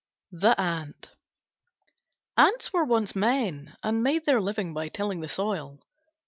THE ANT Ants were once men and made their living by tilling the soil.